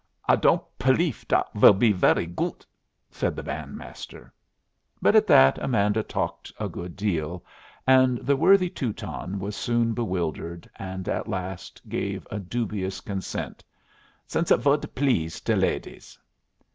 "I don't pelief dot vill be very goot," said the band master. But at that Amanda talked a good deal; and the worthy Teuton was soon bewildered, and at last gave a dubious consent, "since it would blease de ladies."